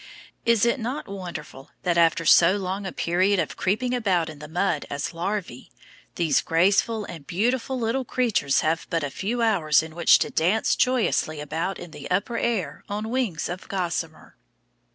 Is it not wonderful that after so long a period of creeping about in the mud as larvæ, these graceful and beautiful little creatures have but a few hours in which to dance joyously about in the upper air on wings of gossamer?